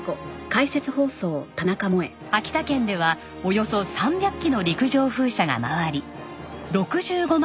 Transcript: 秋田県ではおよそ３００基の陸上風車が回り６５万